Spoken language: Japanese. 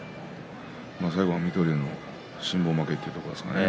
最後は水戸龍の辛抱負けというところですかね。